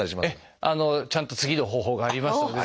ちゃんと次の方法がありますので。